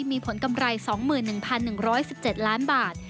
มีผลกำไร๒๑๑๑๑๗ล้านบาท